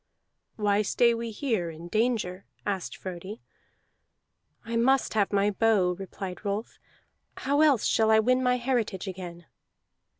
"Why stay we here in danger?" asked Frodi. "I must have my bow," replied Rolf. "How else shall I win my heritage again?"